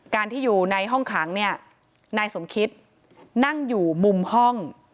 ที่อยู่ในห้องขังเนี่ยนายสมคิตนั่งอยู่มุมห้อง